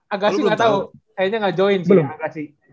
agassi gak tau akhirnya gak join sih agassi